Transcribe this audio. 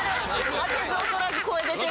負けず劣らず声出てる。